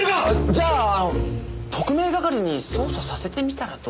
じゃああの特命係に捜査させてみたらどうですか？